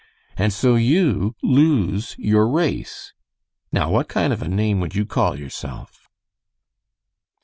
And so you lose your race. Now what kind of a name would you call yourself?"